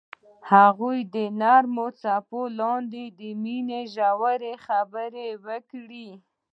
هغوی د نرم څپو لاندې د مینې ژورې خبرې وکړې.